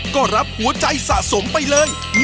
ก็รับหัวใจสะสมไปเลย